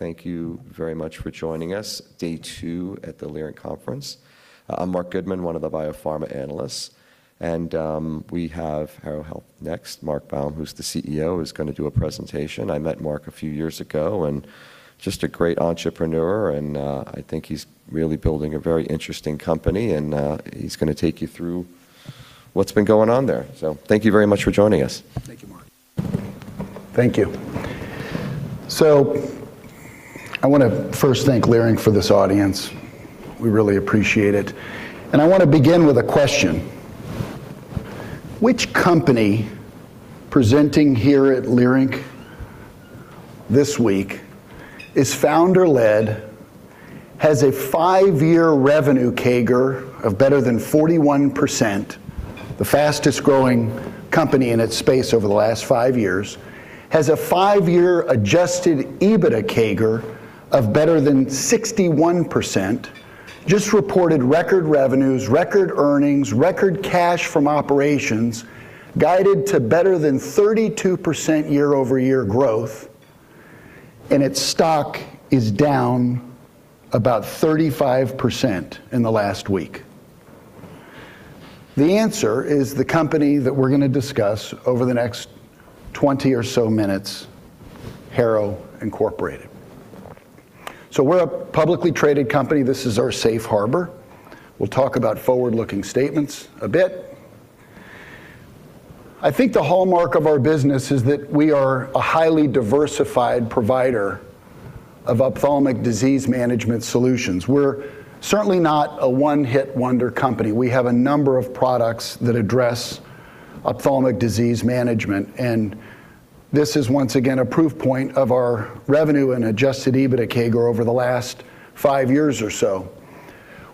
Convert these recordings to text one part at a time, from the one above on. Thank you very much for joining us, day two at the Leerink Conference. I'm Marc Goodman, one of the Biopharma Analysts, and we have Harrow next. Mark Baum, who's the CEO, is gonna do a presentation. I met Mark a few years ago, and just a great entrepreneur and I think he's really building a very interesting company and he's gonna take you through what's been going on there. Thank you very much for joining us. Thank you, Marc. Thank you. I wanna first thank Leerink for this audience. We really appreciate it. I wanna begin with a question. Which company presenting here at Leerink this week is founder-led, has a five-year revenue CAGR of better than 41%, the fastest-growing company in its space over the last five years, has a five-year adjusted EBITDA CAGR of better than 61%, just reported record revenues, record earnings, record cash from operations, guided to better than 32% year-over-year growth, and its stock is down about 35% in the last week? The answer is the company that we're gonna discuss over the next 20 or so minutes, Harrow Incorporated. We're a publicly traded company. This is our safe harbor. We'll talk about forward-looking statements a bit. I think the hallmark of our business is that we are a highly diversified provider of ophthalmic disease management solutions. We're certainly not a one-hit wonder company. We have a number of products that address ophthalmic disease management, and this is once again a proof point of our revenue and adjusted EBITDA CAGR over the last five years or so.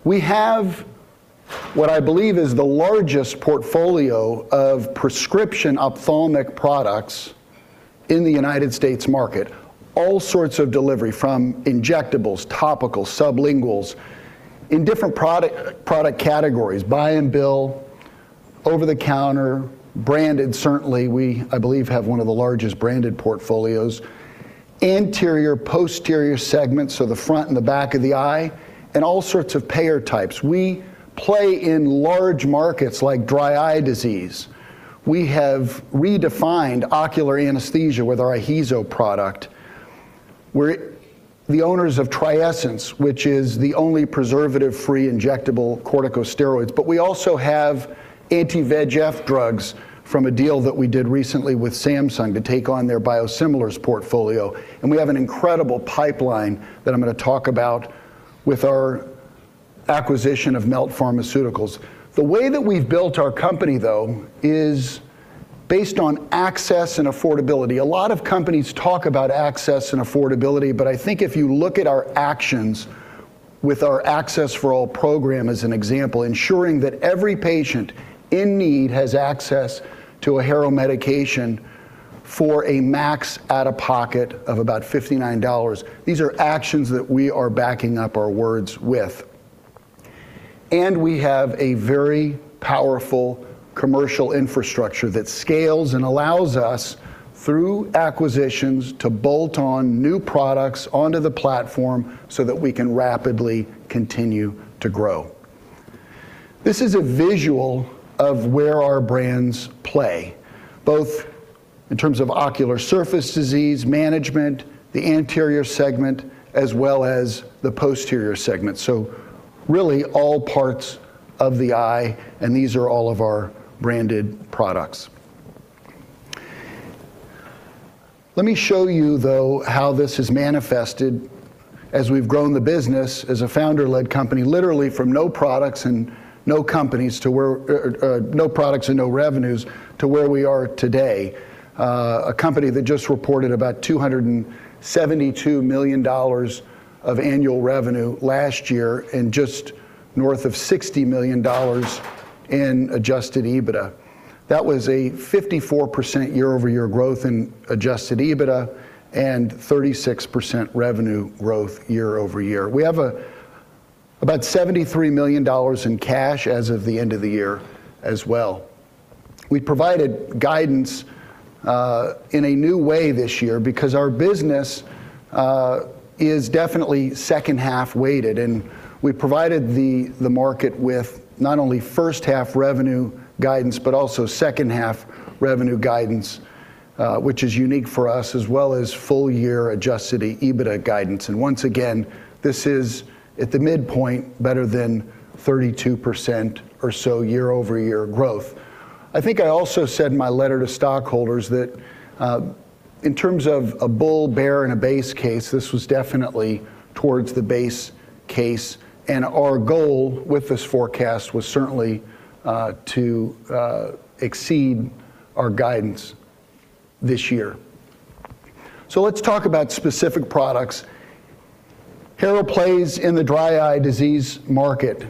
We have what I believe is the largest portfolio of prescription ophthalmic products in the United States market. All sorts of delivery from injectables, topical, sublinguals in different product categories, buy and bill, over-the-counter, branded, certainly. We, I believe, have one of the largest branded portfolios. Anterior, posterior segments, so the front and the back of the eye, and all sorts of payer types. We play in large markets like dry eye disease. We have redefined ocular anesthesia with our IHEEZO product. We're the owners of TRIESENCE, which is the only preservative-free injectable corticosteroids. We also have anti-VEGF drugs from a deal that we did recently with Samsung to take on their biosimilars portfolio. We have an incredible pipeline that I'm gonna talk about with our acquisition of Melt Pharmaceuticals. The way that we've built our company, though, is based on access and affordability. A lot of companies talk about access and affordability, but I think if you look at our actions with our Harrow Access for All program as an example, ensuring that every patient in need has access to a Harrow medication for a max out-of-pocket of about $59. These are actions that we are backing up our words with. We have a very powerful commercial infrastructure that scales and allows us, through acquisitions, to bolt on new products onto the platform so that we can rapidly continue to grow. This is a visual of where our brands play, both in terms of ocular surface disease management, the anterior segment, as well as the posterior segment. Really all parts of the eye, and these are all of our branded products. Let me show you, though, how this has manifested as we've grown the business as a founder-led company, literally from no products and no revenues to where we are today, a company that just reported about $272 million of annual revenue last year and just north of $60 million in adjusted EBITDA. That was a 54% year-over-year growth in adjusted EBITDA and 36% revenue growth year over year. We have about $73 million in cash as of the end of the year as well. We provided guidance in a new way this year because our business is definitely second half weighted, and we provided the market with not only first half revenue guidance, but also second half revenue guidance, which is unique for us as well as full year adjusted EBITDA guidance. Once again, this is at the midpoint better than 32% or so year-over-year growth. I think I also said in my letter to stockholders that in terms of a bull, bear, and a base case, this was definitely towards the base case, and our goal with this forecast was certainly to exceed our guidance this year. Let's talk about specific products. Harrow plays in the dry eye disease market.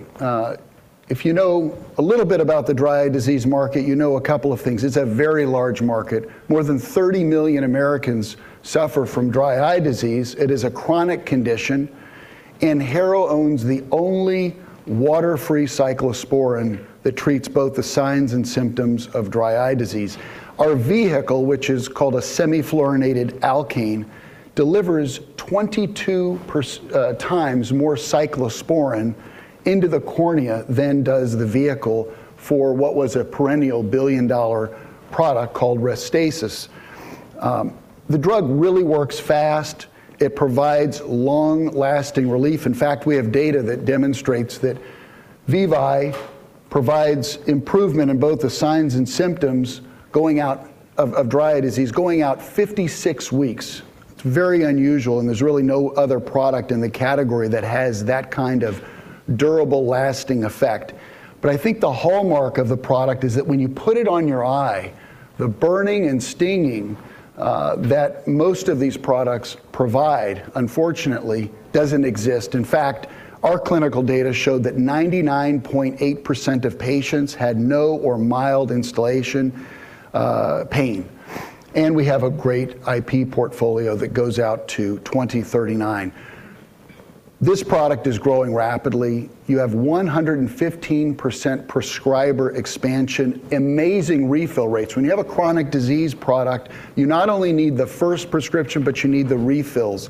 If you know a little bit about the dry eye disease market, you know a couple of things. It's a very large market. More than 30 million Americans suffer from dry eye disease. It is a chronic condition. Harrow owns the only water-free cyclosporine that treats both the signs and symptoms of dry eye disease. Our vehicle, which is called a semifluorinated alkane, delivers 22x more cyclosporine into the cornea than does the vehicle for what was a perennial $1 billion product called Restasis. The drug really works fast. It provides long-lasting relief. In fact, we have data that demonstrates that VEVYE provides improvement in both the signs and symptoms of dry eye disease going out 56 weeks. It's very unusual, and there's really no other product in the category that has that kind of durable, lasting effect. I think the hallmark of the product is that when you put it on your eye, the burning and stinging that most of these products provide unfortunately doesn't exist. In fact, our clinical data showed that 99.8% of patients had no or mild instillation pain. We have a great IP portfolio that goes out to 2039. This product is growing rapidly. You have 115% prescriber expansion, amazing refill rates. When you have a chronic disease product, you not only need the first prescription, but you need the refills.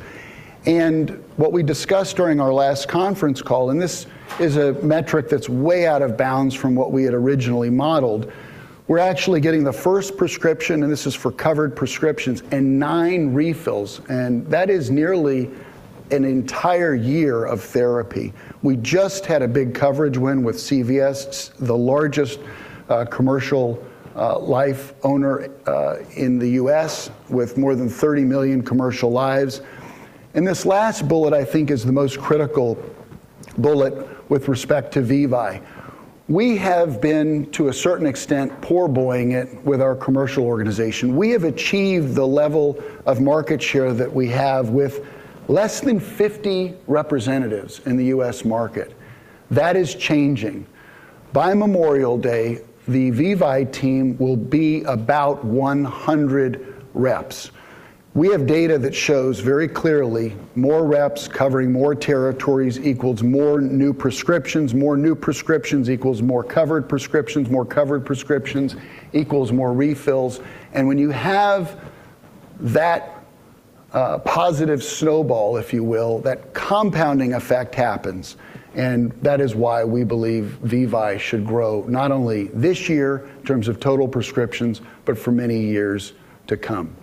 What we discussed during our last conference call, and this is a metric that's way out of bounds from what we had originally modeled. We're actually getting the first prescription, and this is for covered prescriptions and nine refills, and that is nearly an entire year of therapy. We just had a big coverage win with CVS, the largest commercial lives owner in the U.S. with more than 30 million commercial lives. This last bullet, I think is the most critical bullet with respect to VEVYE. We have been, to a certain extent, poor boying it with our commercial organization. We have achieved the level of market share that we have with less than 50 representatives in the U.S. market. That is changing. By Memorial Day, the VEVYE team will be about 100 reps. We have data that shows very clearly more reps covering more territories equals more new prescriptions. More new prescriptions equals more covered prescriptions. More covered prescriptions equals more refills. When you have that positive snowball, if you will, that compounding effect happens. That is why we believe VEVYE should grow not only this year in terms of total prescriptions, but for many years to come.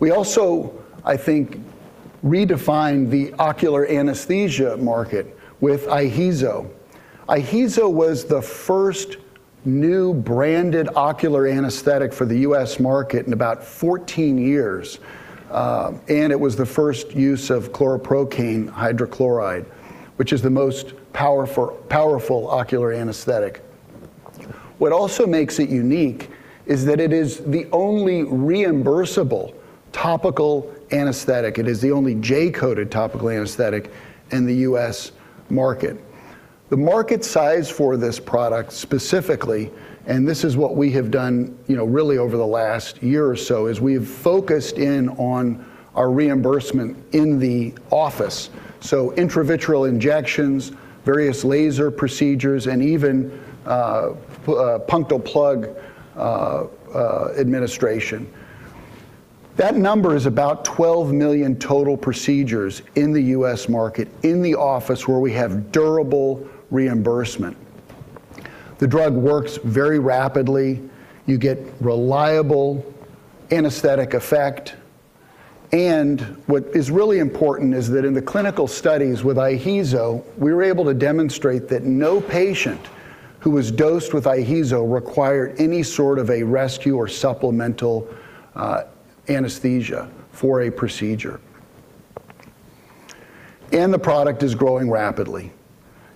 We also, I think, redefined the ocular anesthesia market with IHEEZO. IHEEZO was the first new branded ocular anesthetic for the U.S. market in about 14 years. It was the first use of chloroprocaine hydrochloride, which is the most power-for-powerful ocular anesthetic. What also makes it unique is that it is the only reimbursable topical anesthetic. It is the only J-code topical anesthetic in the U.S. market. The market size for this product specifically, and this is what we have done, you know, really over the last year or so, is we've focused in on our reimbursement in the office. Intravitreal injections, various laser procedures, and even punctal plug administration. That number is about 12 million total procedures in the U.S. market, in the office where we have durable reimbursement. The drug works very rapidly. You get reliable anesthetic effect. What is really important is that in the clinical studies with IHEEZO, we were able to demonstrate that no patient who was dosed with IHEEZO required any sort of a rescue or supplemental anesthesia for a procedure. The product is growing rapidly,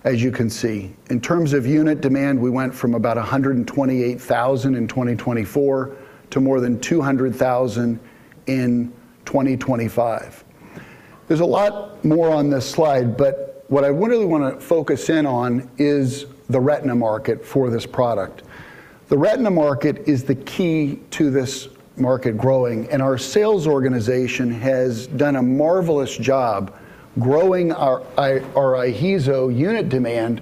as you can see. In terms of unit demand, we went from about 128,000 in 2024 to more than 200,000 in 2025. There's a lot more on this slide, but what I really wanna focus in on is the retina market for this product. The retina market is the key to this market growing, and our sales organization has done a marvelous job growing our IHEEZO unit demand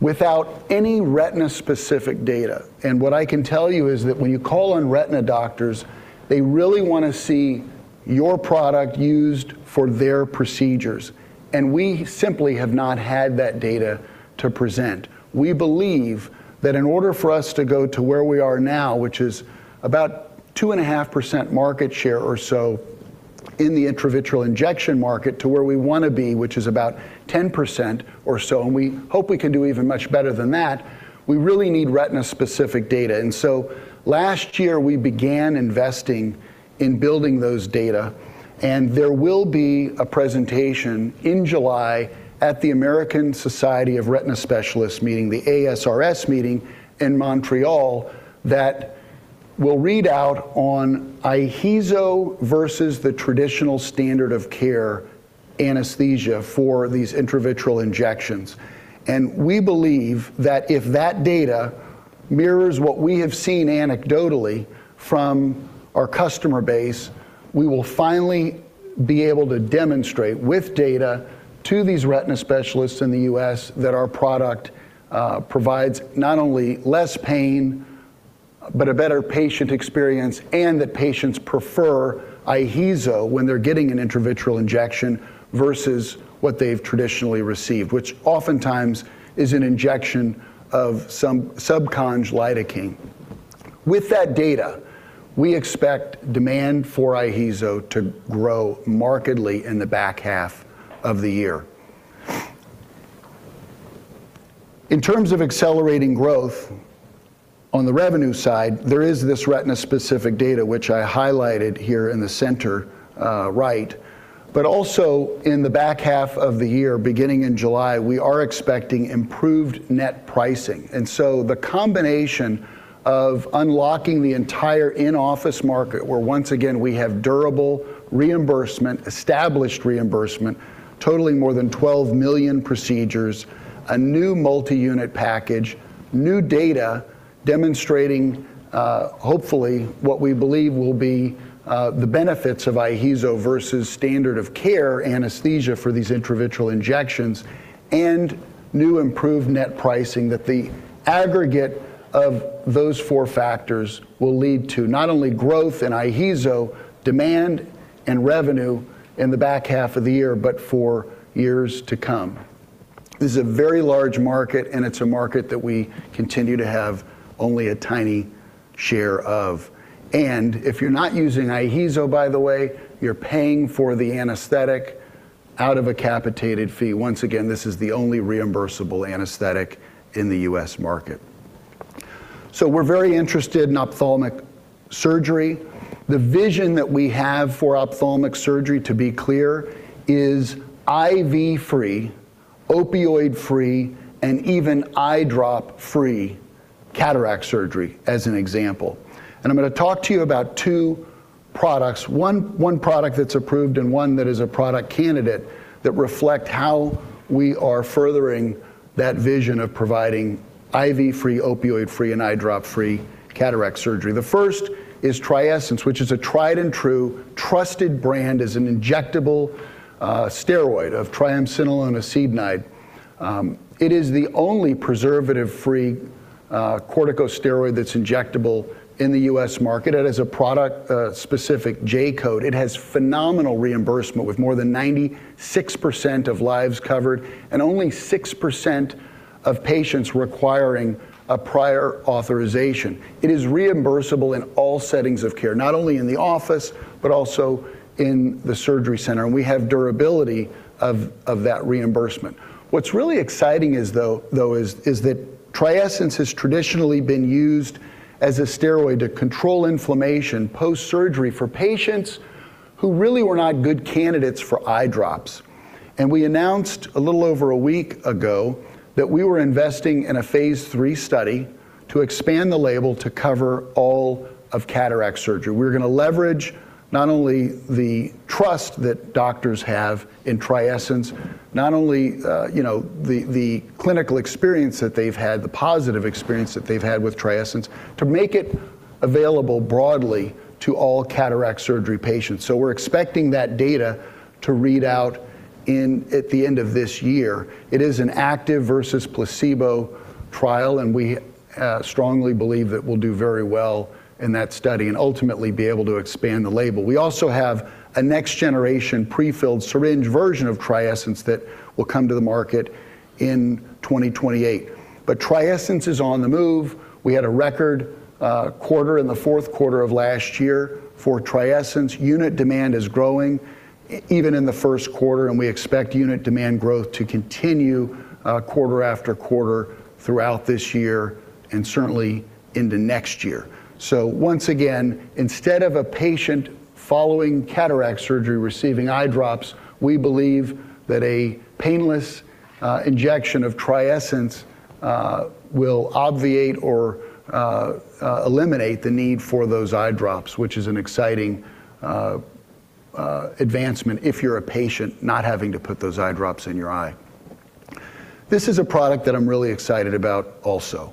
without any retina specific data. What I can tell you is that when you call on retina doctors, they really wanna see your product used for their procedures, and we simply have not had that data to present. We believe that in order for us to go to where we are now, which is about 2.5% market share or so in the intravitreal injection market to where we wanna be, which is about 10% or so, and we hope we can do even much better than that, we really need retina specific data. Last year we began investing in building those data and there will be a presentation in July at the American Society of Retina Specialists Meeting, the ASRS meeting in Montreal that will read out on IHEEZO versus the traditional standard of care anesthesia for these intravitreal injections. We believe that if that data mirrors what we have seen anecdotally from our customer base, we will finally be able to demonstrate with data to these retina specialists in the U.S. that our product provides not only less pain, but a better patient experience, and that patients prefer IHEEZO when they're getting an intravitreal injection versus what they've traditionally received, which oftentimes is an injection of some subconjunctival lidocaine. With that data, we expect demand for IHEEZO to grow markedly in the back half of the year. In terms of accelerating growth on the revenue side, there is this retina specific data which I highlighted here in the center, right. Also in the back half of the year, beginning in July, we are expecting improved net pricing. The combination of unlocking the entire in-office market, where once again, we have durable reimbursement, established reimbursement totaling more than 12 million procedures, a new multi-unit package, new data demonstrating, hopefully what we believe will be, the benefits of IHEEZO versus standard of care anesthesia for these intravitreal injections and new improved net pricing that the aggregate of those four factors will lead to not only growth in IHEEZO demand and revenue in the back half of the year, but for years to come. This is a very large market, and it's a market that we continue to have only a tiny share of. If you're not using IHEEZO, by the way, you're paying for the anesthetic out of a capitated fee. Once again, this is the only reimbursable anesthetic in the U.S. market. We're very interested in ophthalmic surgery. The vision that we have for ophthalmic surgery, to be clear, is IV-free, opioid-free, and even eye drop-free cataract surgery, as an example. I'm gonna talk to you about two products, one product that's approved and one that is a product candidate that reflect how we are furthering that vision of providing IV-free, opioid-free, and eye drop-free cataract surgery. The first is TRIESENCE, which is a tried and true trusted brand as an injectable steroid of triamcinolone acetonide. It is the only preservative-free corticosteroid that's injectable in the U.S. market. It has a product specific J-code. It has phenomenal reimbursement with more than 96% of lives covered and only 6% of patients requiring a prior authorization. It is reimbursable in all settings of care, not only in the office but also in the surgery center. We have durability of that reimbursement. What's really exciting is that TRIESENCE has traditionally been used as a steroid to control inflammation post-surgery for patients who really were not good candidates for eye drops. We announced a little over a week ago that we were investing in a phase III study to expand the label to cover all of cataract surgery. We're gonna leverage not only the trust that doctors have in TRIESENCE, not only the clinical experience that they've had, the positive experience that they've had with TRIESENCE to make it available broadly to all cataract surgery patients. We're expecting that data to read out at the end of this year. It is an active versus placebo trial, and we strongly believe that we'll do very well in that study and ultimately be able to expand the label. We also have a next generation prefilled syringe version of TRIESENCE that will come to the market in 2028. TRIESENCE is on the move. We had a record quarter in the fourth quarter of last year for TRIESENCE. Unit demand is growing even in the first quarter, and we expect unit demand growth to continue quarter after quarter throughout this year and certainly into next year. Once again, instead of a patient following cataract surgery receiving eye drops, we believe that a painless injection of TRIESENCE will obviate or eliminate the need for those eye drops, which is an exciting advancement if you're a patient not having to put those eye drops in your eye. This is a product that I'm really excited about also.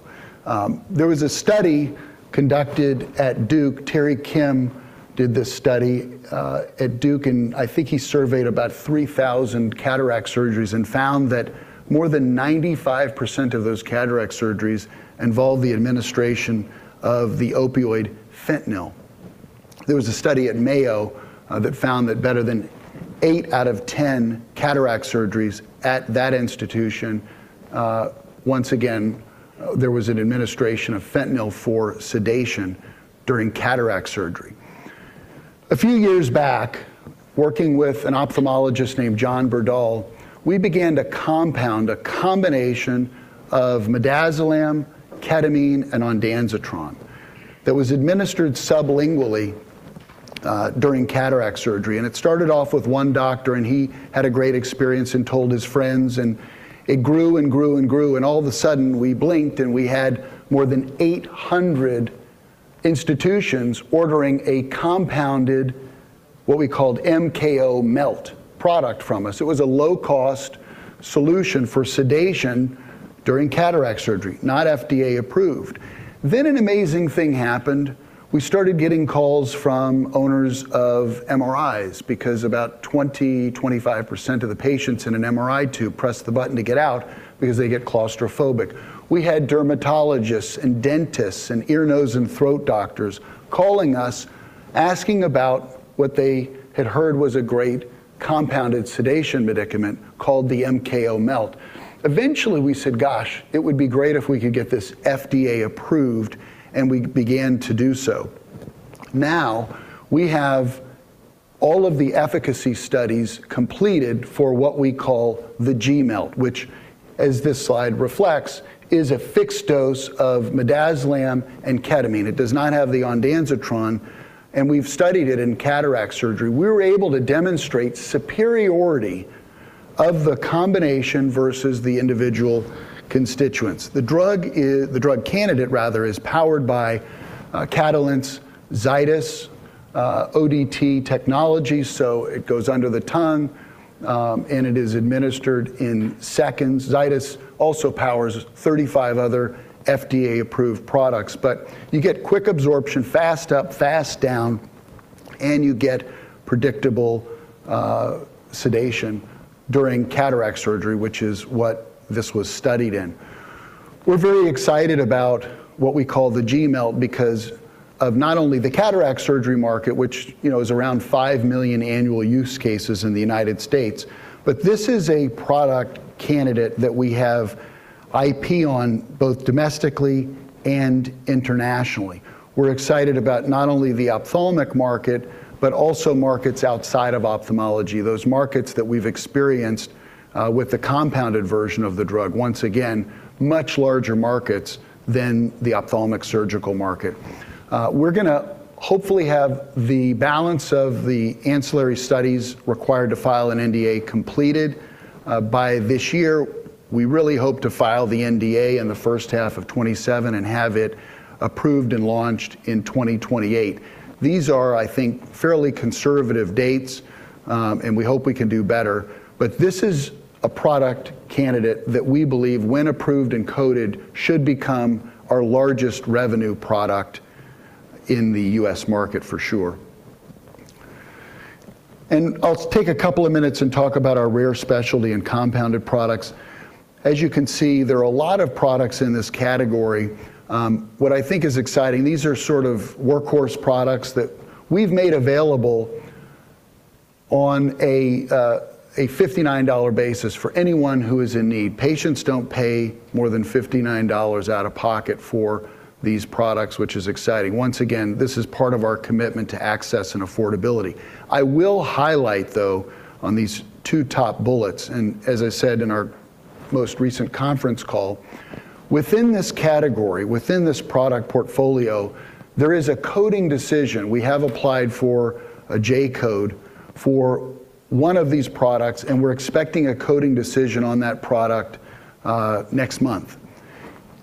There was a study conducted at Duke. Terry Kim did this study at Duke, and I think he surveyed about 3,000 cataract surgeries and found that more than 95% of those cataract surgeries involved the administration of the opioid fentanyl. There was a study at Mayo that found that better than eight out of 10 cataract surgeries at that institution, once again, there was an administration of fentanyl for sedation during cataract surgery. A few years back, working with an ophthalmologist named Jared Verdoorn, we began to compound a combination of midazolam, ketamine, and ondansetron that was administered sublingually during cataract surgery. It started off with one doctor, and he had a great experience and told his friends, and it grew and grew and grew, and all of a sudden we blinked, and we had more than 800 institutions ordering a compounded, what we called MKO Melt product from us. It was a low-cost solution for sedation during cataract surgery, not FDA-approved. An amazing thing happened. We started getting calls from owners of MRIs because about 20%-25% of the patients in an MRI tube press the button to get out because they get claustrophobic. We had dermatologists and dentists and ear, nose, and throat doctors calling us, asking about what they had heard was a great compounded sedation medicament called the MKO Melt. Eventually, we said, "Gosh, it would be great if we could get this FDA-approved," and we began to do so. Now we have all of the efficacy studies completed for what we call the G-MELT, which, as this slide reflects, is a fixed dose of midazolam and ketamine. It does not have the ondansetron, and we've studied it in cataract surgery. We were able to demonstrate superiority of the combination versus the individual constituents. The drug candidate rather is powered by Catalent's Zydis ODT technology, so it goes under the tongue, and it is administered in seconds. Zydis also powers 35 other FDA-approved products. You get quick absorption, fast up, fast down, and you get predictable sedation during cataract surgery, which is what this was studied in. We're very excited about what we call the G-MELT because of not only the cataract surgery market, which you know is around 5 million annual use cases in the United States, but this is a product candidate that we have IP on both domestically and internationally. We're excited about not only the ophthalmic market but also markets outside of ophthalmology, those markets that we've experienced with the compounded version of the drug. Once again, much larger markets than the ophthalmic surgical market. We're gonna hopefully have the balance of the ancillary studies required to file an NDA completed by this year. We really hope to file the NDA in the first half of 2027 and have it approved and launched in 2028. These are, I think, fairly conservative dates, and we hope we can do better. This is a product candidate that we believe, when approved and J-coded, should become our largest revenue product in the U.S. market for sure. I'll take a couple of minutes and talk about our rare specialty and compounded products. As you can see, there are a lot of products in this category. What I think is exciting, these are sort of workhorse products that we've made available on a $59 basis for anyone who is in need. Patients don't pay more than $59 out of pocket for these products, which is exciting. Once again, this is part of our commitment to access and affordability. I will highlight, though, on these two top bullets, and as I said in our most recent conference call, within this category, within this product portfolio, there is a coding decision. We have applied for a J-code for one of these products, and we're expecting a coding decision on that product next month.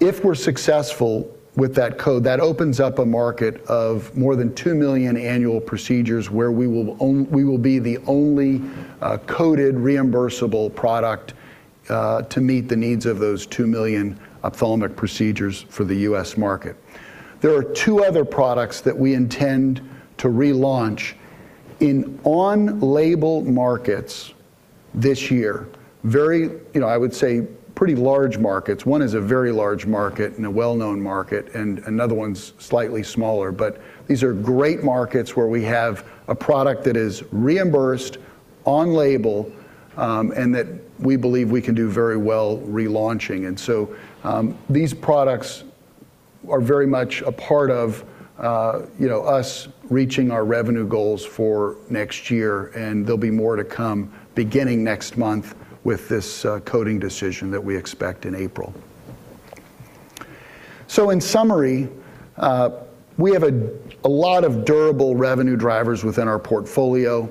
If we're successful with that code, that opens up a market of more than 2 million annual procedures where we will be the only coded reimbursable product to meet the needs of those 2 million ophthalmic procedures for the U.S. market. There are two other products that we intend to relaunch in on-label markets this year. Very, you know, I would say, pretty large markets. One is a very large market and a well-known market, and another one's slightly smaller. These are great markets where we have a product that is reimbursed on-label, and that we believe we can do very well relaunching. These products are very much a part of, you know, us reaching our revenue goals for next year, and there'll be more to come beginning next month with this, coding decision that we expect in April. In summary, we have a lot of durable revenue drivers within our portfolio.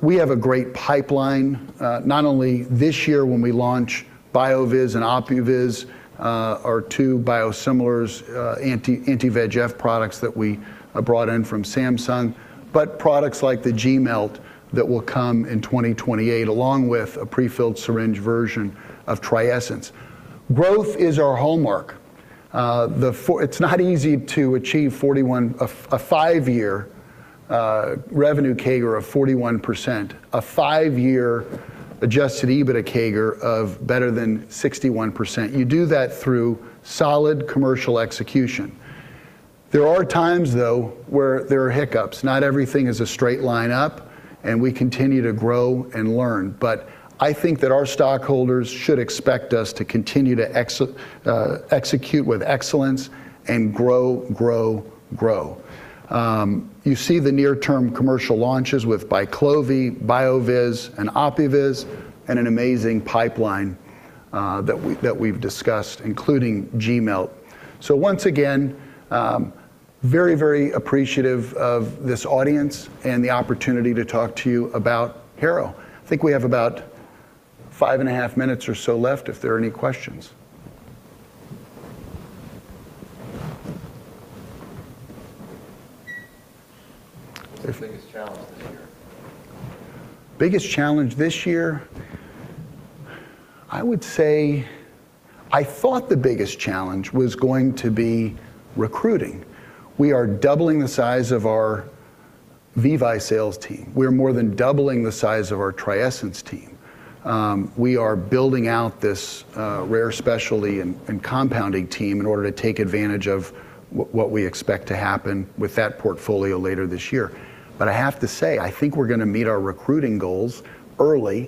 We have a great pipeline, not only this year when we launch BYOOVIZ and OPUVIZ, our two biosimilars, anti-VEGF products that we brought in from Samsung, but products like the G-MELT that will come in 2028, along with a prefilled syringe version of TRIESENCE. Growth is our hallmark. It's not easy to achieve a five-year revenue CAGR of 41%, a five-year adjusted EBITDA CAGR of better than 61%. You do that through solid commercial execution. There are times, though, where there are hiccups. Not everything is a straight line up, and we continue to grow and learn. I think that our stockholders should expect us to continue to execute with excellence and grow. You see the near-term commercial launches with BYQLOVI, BYOOVIZ, and OPUVIZ, and an amazing pipeline that we've discussed, including G-MELT. Once again, very, very appreciative of this audience and the opportunity to talk to you about Harrow. I think we have about five and a half minutes or so left if there are any questions. What's your biggest challenge this year? Biggest challenge this year, I would say I thought the biggest challenge was going to be recruiting. We are doubling the size of our VEVYE sales team. We're more than doubling the size of our TRIESENCE team. We are building out this rare specialty and compounding team in order to take advantage of what we expect to happen with that portfolio later this year. But I have to say, I think we're gonna meet our recruiting goals early,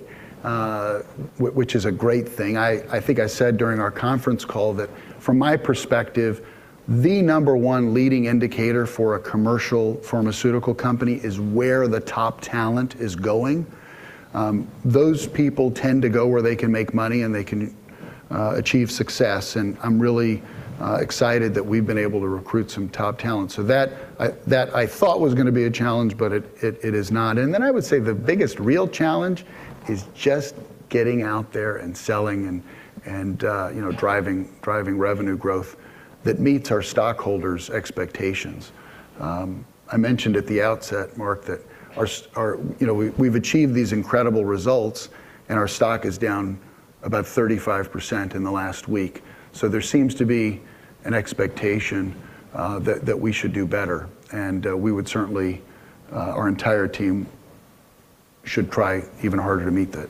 which is a great thing. I think I said during our conference call that from my perspective, the number one leading indicator for a commercial pharmaceutical company is where the top talent is going. Those people tend to go where they can make money, and they can achieve success. I'm really excited that we've been able to recruit some top talent. That I thought was gonna be a challenge, but it is not. Then I would say the biggest real challenge is just getting out there and selling and driving revenue growth that meets our stockholders' expectations. I mentioned at the outset, Marc, that our, we've achieved these incredible results, and our stock is down about 35% in the last week. There seems to be an expectation that we should do better. Our entire team should try even harder to meet that.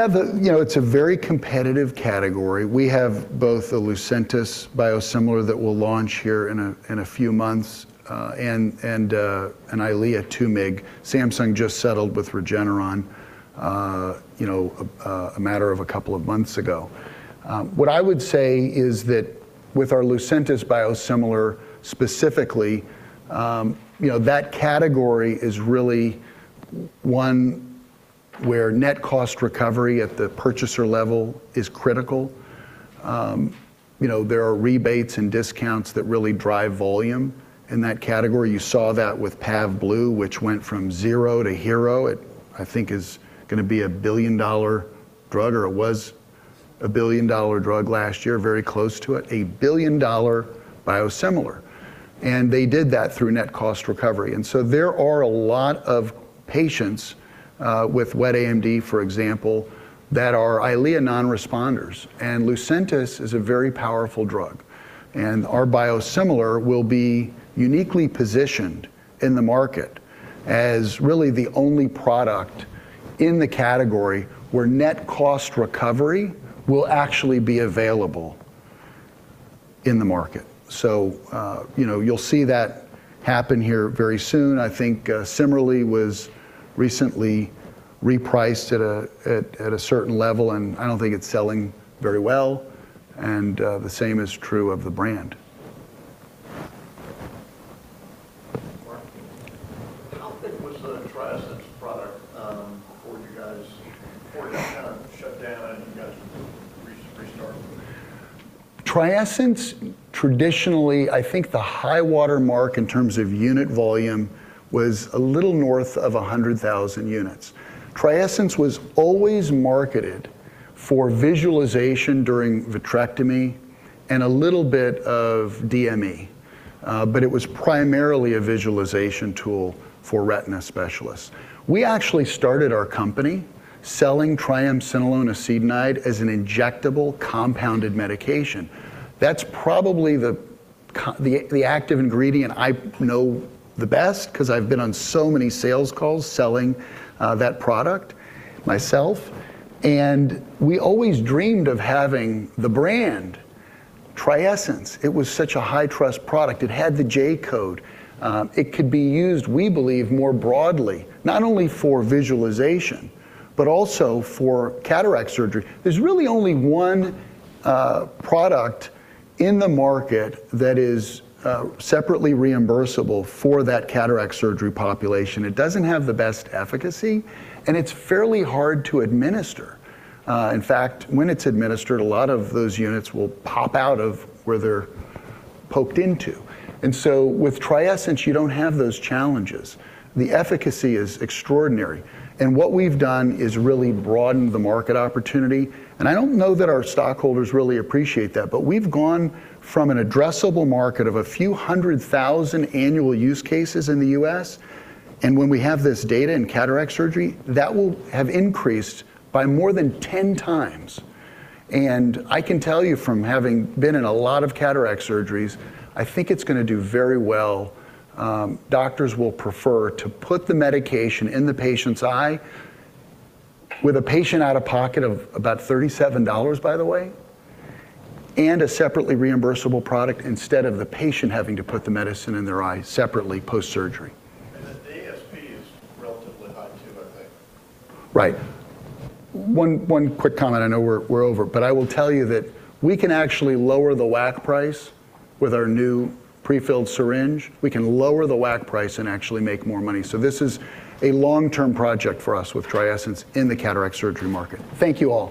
The biosimilar opportunity a little bit. It's, you know, it's one of those where everybody can't quite get their arms around it. Yeah. You know, it's a very competitive category. We have both the Lucentis biosimilar that we'll launch here in a few months, and an EYLEA 2 mg. Samsung just settled with Regeneron a matter of a couple of months ago. What I would say is that with our Lucentis biosimilar specifically, you know, that category is really one where net cost recovery at the purchaser level is critical. You know, there are rebates and discounts that really drive volume in that category. You saw that with PAVBLU, which went from zero to hero. It, I think, is gonna be a billion-dollar drug, or it was a billion-dollar drug last year, very close to it, a billion-dollar biosimilar. They did that through net cost recovery. There are a lot of patients with wet AMD, for example, that are EYLEA non-responders. Lucentis is a very powerful drug, and our biosimilar will be uniquely positioned in the market as really the only product in the category where net cost recovery will actually be available in the market. You know, you'll see that happen here very soon. I think, CIMERLI was recently repriced at a certain level, and I don't think it's selling very well, and the same is true of the brand. Mark, how big was the TRIESENCE product before it kinda shut down, and you guys restarted? TRIESENCE traditionally, I think the high water mark in terms of unit volume was a little north of 100,000 units. TRIESENCE was always marketed for visualization during vitrectomy and a little bit of DME, but it was primarily a visualization tool for retina specialists. We actually started our company selling triamcinolone acetonide as an injectable compounded medication. That's probably the active ingredient I know the best 'cause I've been on so many sales calls selling that product myself. We always dreamed of having the brand TRIESENCE. It was such a high-trust product. It had the J-code. It could be used, we believe, more broadly, not only for visualization but also for cataract surgery. There's really only one product in the market that is separately reimbursable for that cataract surgery population. It doesn't have the best efficacy, and it's fairly hard to administer. In fact, when it's administered, a lot of those units will pop out of where they're poked into. With TRIESENCE, you don't have those challenges. The efficacy is extraordinary. What we've done is really broadened the market opportunity, and I don't know that our stockholders really appreciate that. We've gone from an addressable market of a few hundred thousand annual use cases in the U.S., and when we have this data in cataract surgery, that will have increased by more than 10x. I can tell you from having been in a lot of cataract surgeries, I think it's gonna do very well. Doctors will prefer to put the medication in the patient's eye with a patient out-of-pocket of about $37, by the way, and a separately reimbursable product, instead of the patient having to put the medicine in their eye separately post-surgery. The ASP is relatively high too, I think. Right. One quick comment. I know we're over, but I will tell you that we can actually lower the WAC price with our new prefilled syringe. We can lower the WAC price and actually make more money. This is a long-term project for us with TRIESENCE in the cataract surgery market. Thank you all.